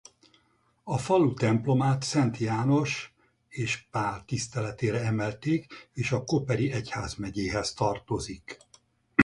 A falu templomát Szent János és Pál tiszteletére emelték és a Koperi egyházmegyéhez tartozik.